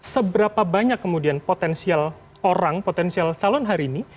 seberapa banyak kemudian potensial orang potensial calon hari ini